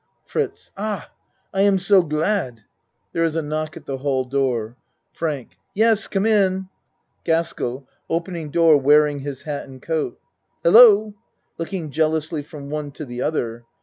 FRITZ Ah I am so glad. ( There is a knock at the hall door.) FRANK Yes, come in. GASKELL (Opening door wearing his hat and coat.) Hello! (Looking jealously from one to the other.)